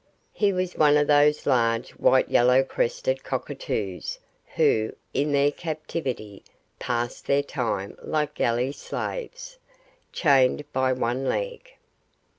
He was one of those large white yellow crested cockatoos who, in their captivity, pass their time like galley slaves, chained by one leg.